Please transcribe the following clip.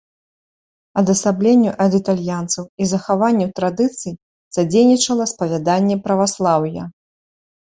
Адасабленню ад італьянцаў і захаванню традыцый садзейнічала спавяданне праваслаўя.